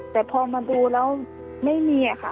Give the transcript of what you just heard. แต่พอมาดูแล้วไม่มีค่ะ